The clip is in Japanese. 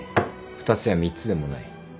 ２つや３つでもない。